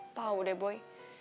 apa tau deh boy